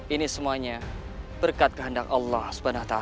ini semuanya berkat kehendak allah swt